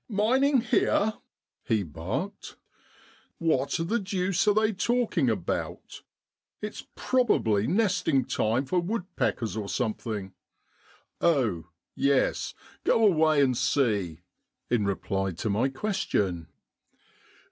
" Mining here !" he barked. " What the deuce are they talking about ? It's probably nesting time for woodpeckers or something. Oh ! yes — go away and see," in reply to my question.